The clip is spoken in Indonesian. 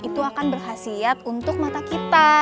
itu akan berhasil untuk mata kita